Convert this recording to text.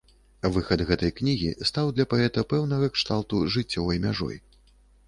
Выхад гэтай кнігі стаў для паэта пэўнага кшталту жыццёвай мяжой.